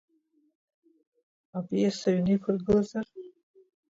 Апиеса ҩны иқәыргылазар?